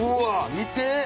見て。